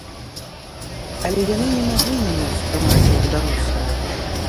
Але яны не маглі мяне ўспрымаць, як дарослую.